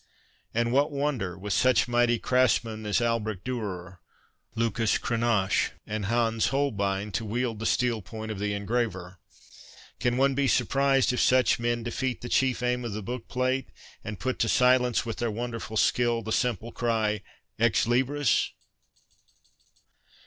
And what wonder with such mighty craftsmen as Albrecht Durer, Lucas Cranach, and Hans Holbein to wield the steel point of the en graver ! Can one be surprised if such men defeat the chief aim of the bookplate, and put to silence with their wonderful skill the simple cry Ex Libris